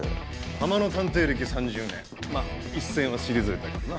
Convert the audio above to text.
ハマの探偵歴３０年まっ一線は退いたけどな。